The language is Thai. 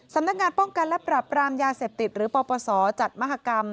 สำนักงานป้องกันและปรับรามยาเสพติดหรือปปศจัดมหากรรม